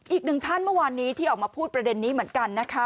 อีกหนึ่งท่านเมื่อวานนี้ที่ออกมาพูดประเด็นนี้เหมือนกันนะคะ